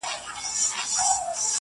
د شپې نه وروسته بيا سهار وچاته څه وركوي.